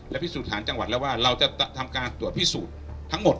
และพิสูจน์ฐานจังหวัดแล้วว่าเราจะทำการตรวจพิสูจน์ทั้งหมด